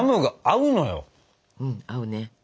うん合うね。